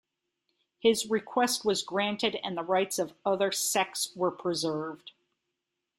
His request was granted and the rights of other sects were preserved.